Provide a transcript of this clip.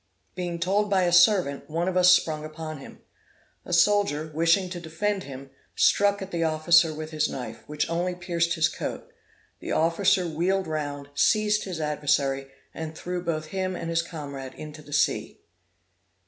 Being told by a servant, one of us sprung upon him. A soldier, wishing to defend him, struck at the officer with his knife, which only pierced his coat; the officer wheeled round, seized his adversary, and threw both him and his comrade into the sea.